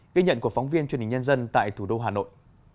ghi nhận của phóng viên truyền hình nhân dân tại thủ đô hà nội